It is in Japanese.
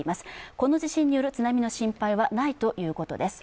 この地震による津波の心配はないということです。